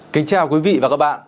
kính chào quý vị và các bạn